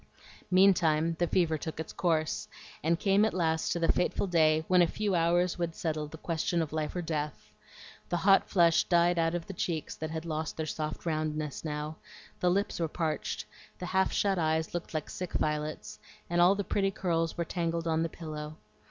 Meantime the fever took its course, and came at last to the fateful day when a few hours would settle the question of life or death. The hot flush died out of the cheeks that had lost their soft roundness now, the lips were parched, the half shut eyes looked like sick violets, and all the pretty curls were tangled on the pillow.